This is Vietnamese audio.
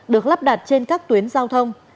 được lắp đặt trên các tuyến giao thông